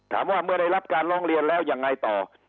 เมื่อได้รับการร้องเรียนแล้วยังไงต่อ